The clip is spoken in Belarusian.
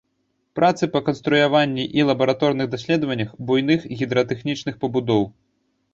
Працы па канструяванні і лабараторных даследаваннях буйных гідратэхнічных пабудоў.